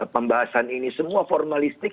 pembahasan ini semua formalistik